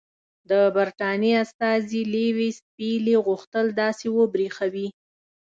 د برټانیې استازي لیویس پیلي غوښتل داسې وبرېښوي.